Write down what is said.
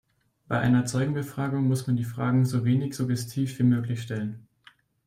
Bei einer Zeugenbefragung muss man die Fragen so wenig suggestiv wie möglich stellen.